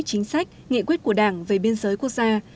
chính sách nghị quyết của đảng về biên giới quốc gia